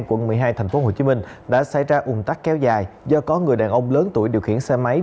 quận một mươi hai tp hcm đã xảy ra ủng tắc kéo dài do có người đàn ông lớn tuổi điều khiển xe máy